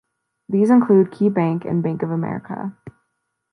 These include Key Bank, and Bank of America.